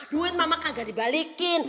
duit mama kagak dibalikin